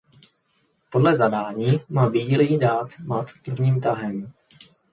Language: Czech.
Podle zadání má bílý dát mat prvním tahem.